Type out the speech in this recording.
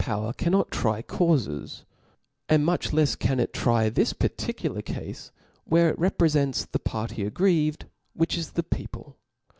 power cannot try caufes , and much lefs can it try this particular cafe, where it reprefents the party aggrieved, which is the people.